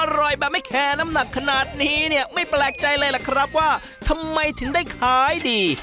อร่อยแบบไม่แคร์น้ำหนักขนาดนี้เนี่ยไม่แปลกใจเลยล่ะครับว่าทำไมถึงได้ขายดี